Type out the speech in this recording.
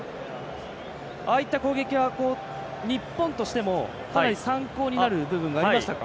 ああいった攻撃は日本としてもかなり参考になる部分がありましたか？